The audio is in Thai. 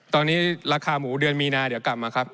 ตอนนี้ราคาหมูเดือนมีนาเดี๋ยวกลับมาครับ